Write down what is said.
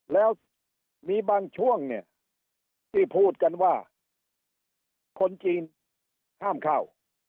แล้วมีบางช่วงเนี่ยที่พูดกันว่าคนจีนห้ามเข้า